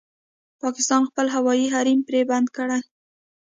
پاکستان خپل هوايي حريم پرې بند کړی